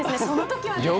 その時は。